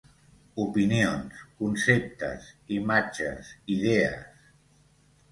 Opinions, conceptes, imatges, idees...